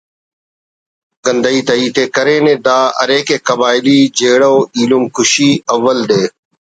گندہی تا ہیت ءِ کرینے دا ارے کہ قبائلی جھیڑہ و ایلم کشی اول دے